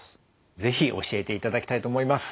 是非教えていただきたいと思います。